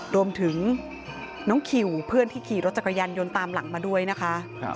รวมถึงน้องคิวเพื่อนที่ขี่รถจักรยานยนต์ตามหลังมาด้วยนะคะ